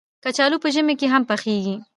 کچالو په ژمي کې هم پخېږي